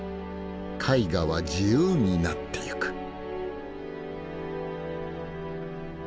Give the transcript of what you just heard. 絵画は自由になっていく。